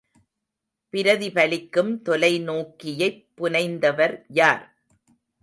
பிரதிபலிக்கும் தொலைநோக்கியைப் புனைந்தவர் யார்?